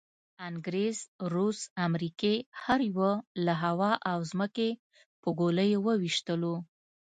انګریز، روس، امریکې هر یوه له هوا او ځمکې په ګولیو وویشتلو.